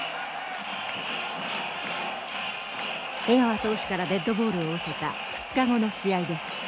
江川投手からデッドボールを受けた２日後の試合です。